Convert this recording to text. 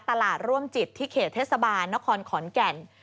ร่วมจิตที่เขตเทศบาลนครขอนแก่น